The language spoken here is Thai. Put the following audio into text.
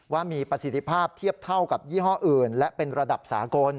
ว่ามีประสิทธิภาพเทียบเท่ากับยี่ห้ออื่นและเป็นระดับสากล